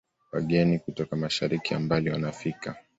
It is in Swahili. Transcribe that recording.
Wageni kutoka mashariki ya mbali wanafika